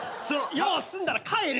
用済んだら帰れ。